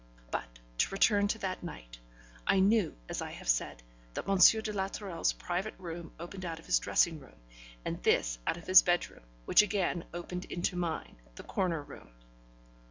But to return to that night. I knew, as I have said, that M. de la Tourelle's private room opened out of his dressing room, and this out of his bedroom, which again opened into mine, the corner room.